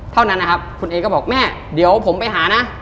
เท่านั้นนะครับคุณเอก็บอกแม่เดี๋ยวผมไปหานะ